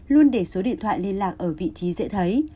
luôn để số điện thoại liên lạc ở vị trí dễ thấy